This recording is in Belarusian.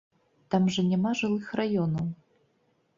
Там жа няма жылых раёнаў!